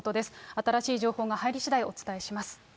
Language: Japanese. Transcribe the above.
新しい情報が入りしだい、お伝えします。